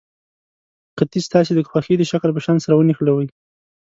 قطي ستاسې د خوښې د شکل په شان سره ونښلوئ.